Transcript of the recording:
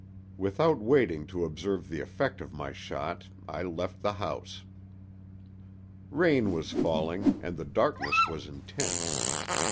Without waiting to observe the effect of my shot I left the house. Rain was falling, and the darkness was intense.